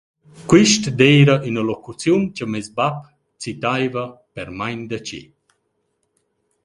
Quist d’eira üna locuziun cha meis bap citaiva per main da che.